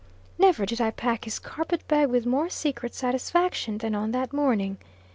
Never did I pack his carpet bag with more secret satisfaction than on that morning.